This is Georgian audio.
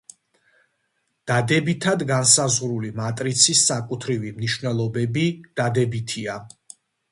დადებითად განსაზღვრული მატრიცის საკუთრივი მნიშვნელობები დადებითია.